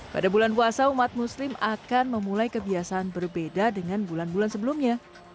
pada bulan puasa umat muslim akan memulai kebiasaan berbeda dengan bulan bulan sebelumnya